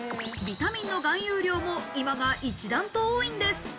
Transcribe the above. ビタミンの含有量も今が一段と多いんです。